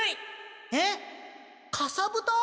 えっかさぶた？